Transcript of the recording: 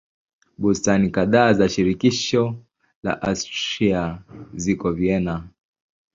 Bustani kadhaa za shirikisho la Austria ziko Vienna.